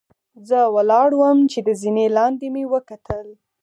زۀ ولاړ ووم چې د زنې لاندې مې وکتل